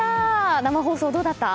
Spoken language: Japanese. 生放送、どうだった？